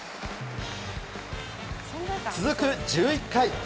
続く１１回。